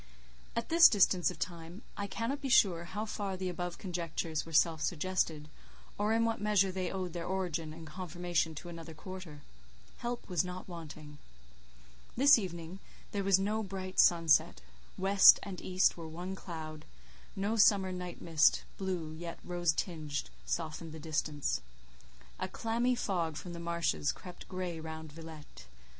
At this distance of time, I cannot be sure how far the above conjectures were self suggested: or in what measure they owed their origin and confirmation to another quarter. Help was not wanting. This evening there was no bright sunset: west and east were one cloud; no summer night mist, blue, yet rose tinged, softened the distance; a clammy fog from the marshes crept grey round Villette.